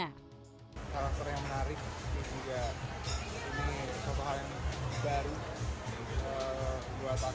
karakter yang menarik ini juga satu hal yang baru buat aku